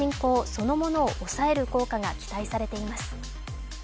そのものを抑える効果が期待されています。